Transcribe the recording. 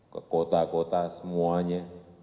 ke kota kota semuanya